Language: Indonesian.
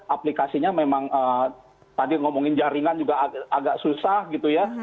aplikasinya memang tadi ngomongin jaringan juga agak susah gitu ya